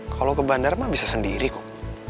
kalau ke bandar mah bisa sendiri kok